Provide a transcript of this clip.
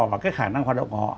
và cái khả năng hoạt động của họ